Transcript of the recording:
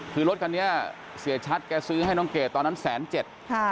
คือรถคันนี้เสียชัดแกซื้อให้น้องเกดตอนนั้นแสนเจ็ดค่ะ